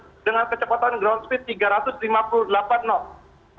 dengan kecepatan ground speed tiga ratus lima puluh delapan knot